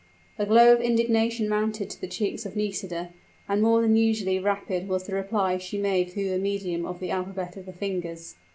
A glow of indignation mounted to the cheeks of Nisida; and more than usually rapid was the reply she made through the medium of the alphabet of the fingers.